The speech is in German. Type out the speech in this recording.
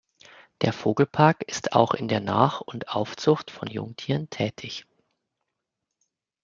Der Vogelpark ist auch in der Nach- und Aufzucht von Jungtieren tätig.